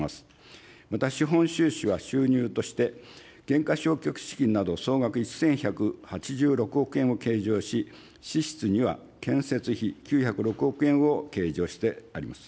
また資本収支は、収入として減価償却資金など総額１１８６億円を計上し、支出には建設費９０６億円を計上してあります。